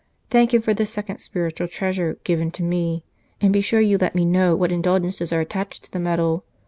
Thank him for this second spiritual treasure given to me, and be sure you let me know what indulgences are attached to the medal.